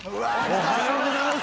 おはようございます。